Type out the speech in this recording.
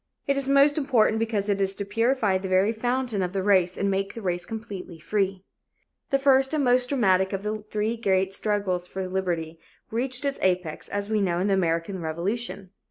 It is most important because it is to purify the very fountain of the race and make the race completely free. The first and most dramatic of the three great struggles for liberty reached its apex, as we know, in the American Revolution.